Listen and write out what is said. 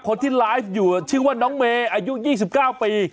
คนที่ไลฟ์อยู่ชื่อว่าน้องเมย์อายุ๒๙ปี